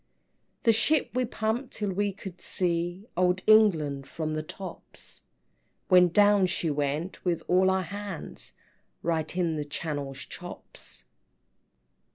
VI. "The ship we pumped till we could see Old England from the tops; When down she went with all our hands, Right in the Channel's Chops."